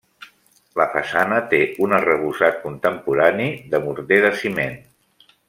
La façana té un arrebossat contemporani de morter de ciment.